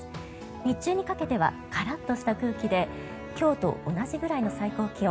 日中にかけてはカラッとした空気で今日と同じぐらいの最高気温。